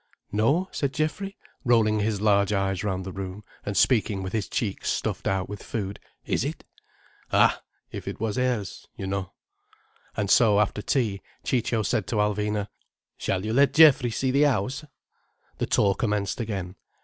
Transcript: "No," said Geoffrey, rolling his large eyes round the room, and speaking with his cheek stuffed out with food. "Is it?" "Ah—if it was hers, you know—" And so, after tea, Ciccio said to Alvina: "Shall you let Geoffrey see the house?" The tour commenced again.